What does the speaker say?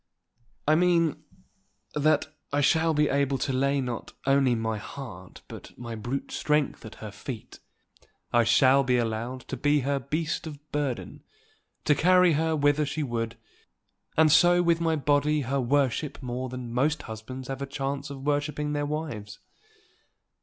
"I mean that I shall be able to lay not only my heart but my brute strength at her feet. I shall be allowed to be her beast of burden, to carry her whither she would; and so with my body her to worship more than most husbands have a chance of worshipping their wives."